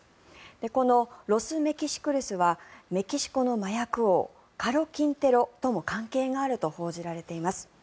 このロス・メキシクルスはメキシコの麻薬王カロ・キンテロとも関係があると報じられています。